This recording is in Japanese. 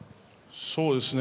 そうですね